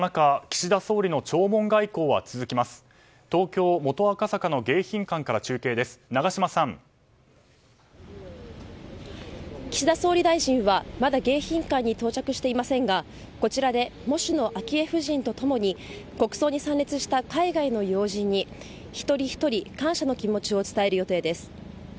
岸田総理大臣はまだ迎賓館に到着していませんがこちらで喪主の昭恵夫人と共に国葬に参列した海外の要人に一人ひとり感謝の気持ちを伝える予定です。